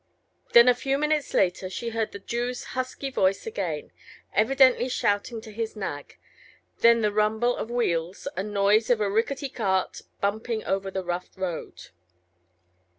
Then a few minutes later, she heard the Jew's husky voice again, evidently shouting to his nag, then the rumble of wheels, and noise of a rickety cart bumping over the rough road.